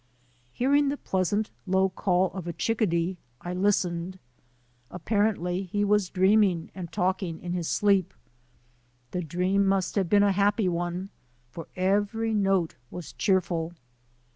Hearing the pleasant, low call of a chickadee I listened. Apparently he was dreaming and talk ing in his sleep. The dream must have been a happy one, for every note was cheerful.